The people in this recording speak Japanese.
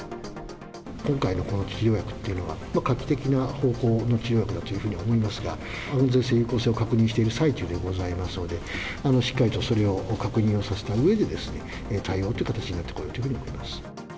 今回のこの治療薬っていうのは、画期的な方法の治療薬だというふうに思いますが、安全性、有効性を確認している最中でございますので、しっかりとそれを確認をさせたうえで、対応という形になってくるというふうに思っております。